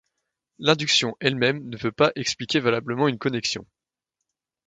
L'induction, elle-même, ne peut pas expliquer valablement une connexion.